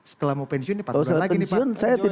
setelah mau pensiun ini patut berlangsung lagi